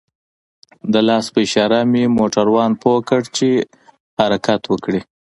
د لاس په اشاره مې موټروان پوه كړ چې حركت وكړي.